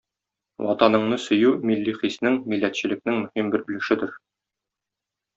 Ватаныңны сөю - милли хиснең, милләтчелекнең мөһим бер өлешедер.